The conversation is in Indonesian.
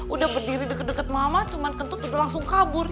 udah berdiri deket deket mama cuma kentut juga langsung kabur